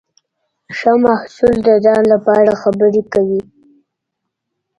ښه محصول د ځان لپاره خبرې کوي.